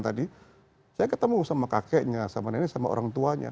tadi saya ketemu sama kakeknya sama nenek sama orang tuanya